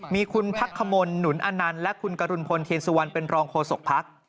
มีคุณพักขมลหนุนอนันต์และคุณกรุณพลเทียนสุวรรณเป็นรองโฆษกภักดิ์